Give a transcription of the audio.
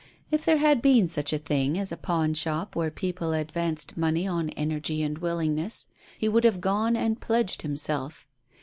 If there had been such a thing as a pawn shop where people advanced money on energy and willing ness, he would have gone and pledged himself.